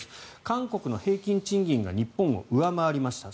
韓国の平均賃金が日本を上回りました。